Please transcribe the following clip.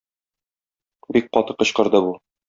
Бик каты кычкырды бу.